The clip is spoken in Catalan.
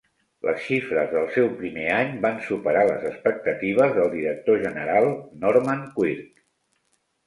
Les xifres del seu primer any van superar les expectatives del director general Norman Quirk.